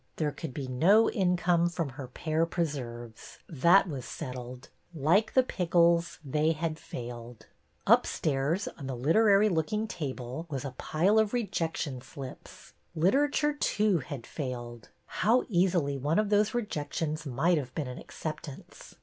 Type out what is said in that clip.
There could be no income from her pear preserves. That was set tled ! Like the pickles, they had failed. Upstairs, on the literary looking " table, was a pile of rejection slips. Literature, too, had failed ! How easily one of those rejections might have been an acceptance!